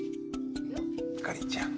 あかりちゃん。